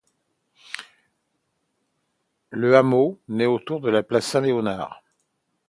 Le hameau naît autour de la place Saint-Léonard.